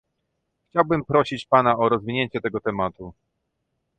Chciałbym prosić pana o rozwinięcie tego tematu